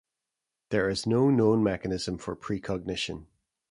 There is no known mechanism for precognition.